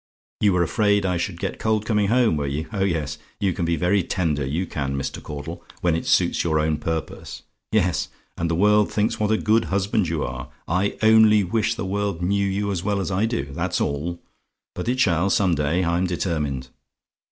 You were afraid I should get cold coming home, were you? Oh yes, you can be very tender, you can, Mr. Caudle, when it suits your own purpose. Yes! and the world thinks what a good husband you are! I only wish the world knew you as well as I do, that's all; but it shall, some day, I'm determined.